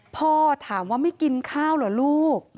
พ่อถามว่าไม่กินข้าวเหรอลูก